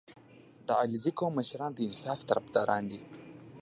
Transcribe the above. • د علیزي قوم مشران د انصاف طرفداران دي.